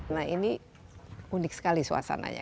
nah ini unik sekali suasananya